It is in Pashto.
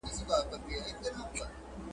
پر دې برسېره په نظرياتي او تجرباتي ساینس